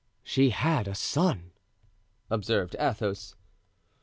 "She had a son," observed Athos.